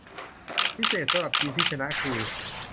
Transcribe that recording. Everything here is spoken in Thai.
พิเศษสำหรับทีมที่ชนะคือ